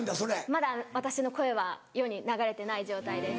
まだ私の声は世に流れてない状態です。